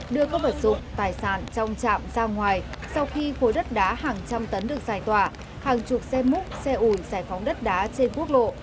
đưa các vật dụng tài sản trong trạm ra ngoài sau khi khối đất đá hàng trăm tấn được giải tỏa hàng chục xe múc xe ủi giải phóng đất đá trên quốc lộ